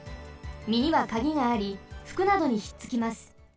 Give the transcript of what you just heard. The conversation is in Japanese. みにはカギがありふくなどにひっつきます。